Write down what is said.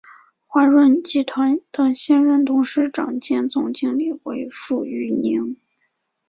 华润集团的现任董事长兼总经理为傅育宁。